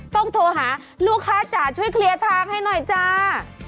โทรหาลูกค้าจ๋าช่วยเคลียร์ทางให้หน่อยจ้า